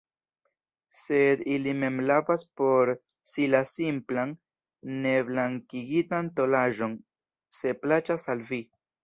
Sed ili mem lavas por si la simplan, neblankigitan tolaĵon, se plaĉas al vi.